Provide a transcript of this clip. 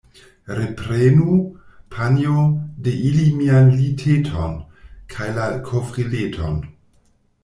Reprenu, panjo, de ili mian liteton kaj la kovrileton.